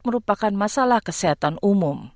merupakan masalah kesehatan umum